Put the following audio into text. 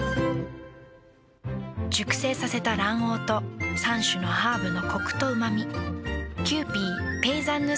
熟成させた卵黄と３種のハーブのコクとうま味。